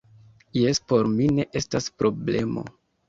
Jes, por mi ne estas problemo